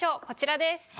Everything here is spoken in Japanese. こちらです。